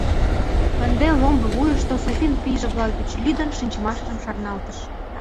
Ынде ломбо вуйышто Софин пийже-влак деч лӱдын шинчымыжым шарналтыш.